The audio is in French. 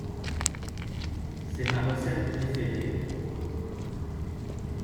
C'est ma recette préférée.